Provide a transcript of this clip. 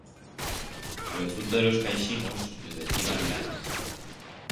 A lo fruto de los caixigos les deciban lans